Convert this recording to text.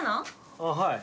あっはい。